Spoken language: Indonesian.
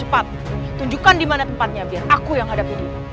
tunjukkan di mana tempatnya biar aku yang hadapi